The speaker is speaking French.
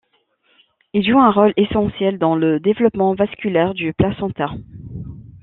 Il joue un rôle essentiel dans le développement vasculaire du placenta.